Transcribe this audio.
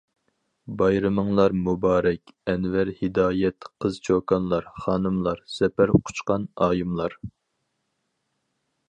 بايرىمىڭلار مۇبارەك ئەنۋەر ھىدايەت قىز-چوكانلار، خانىملار، زەپەر قۇچقان ئايىملار.